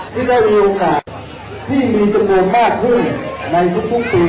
ที่ได้มีโอกาสที่มีสมบูรณ์มากขึ้นในทุกปุ่มปี